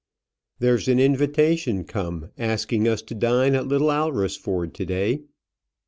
"There's an invitation come, asking us to dine at Little Alresford to day."